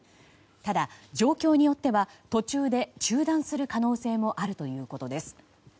ただ、状況によっては途中で中断する可能性もあるということです。